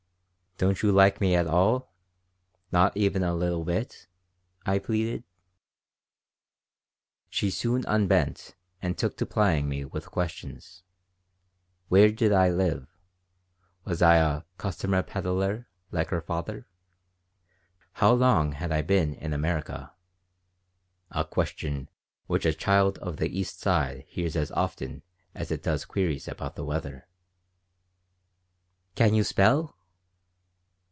"Don't you like me at all? Not even a little bit?" I pleaded She soon unbent and took to plying me with questions. Where did I live? Was I a "customer peddler "like her papa? How long had I been in America? (A question which a child of the East Side hears as often as it does queries about the weather.) "Can you spell?"